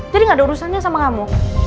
jadi nggak ada urusannya sama kamu